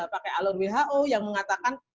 pakai alun who yang mengatakan